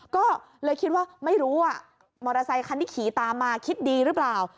ก็เลยคิดว่าไม่รู้ว่ามอเตอร์ไซคันที่ขี่ตามมาคิดดีหรือเปล่า